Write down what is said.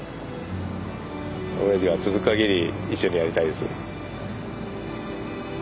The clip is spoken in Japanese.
おやじが続くかぎり一緒にやりたいです。